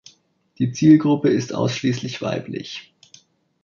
Die Zielgruppe ist ausschließlich weiblich.